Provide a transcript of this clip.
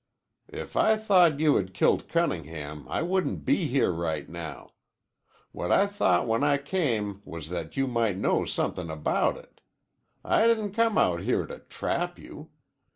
"If I thought you had killed Cunningham I wouldn't be here now. What I thought when I came was that you might know somethin' about it. I didn't come out here to trap you.